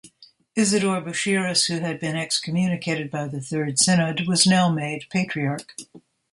Isidore Buchiras, who had been excommunicated by the third synod, was now made patriarch.